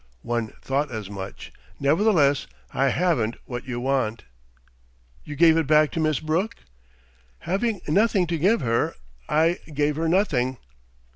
"One thought as much.... Nevertheless, I haven't what you want." "You gave it back to Miss Brooke?" "Having nothing to give her, I gave her nothing."